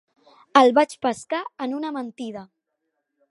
El vaig pescar en una mentida.